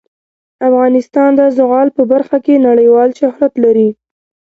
افغانستان د زغال په برخه کې نړیوال شهرت لري.